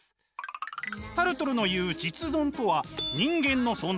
サルトルの言う「実存」とは人間の存在